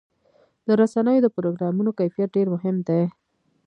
د رسنیو د پروګرامونو کیفیت ډېر مهم دی.